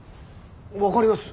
分かります。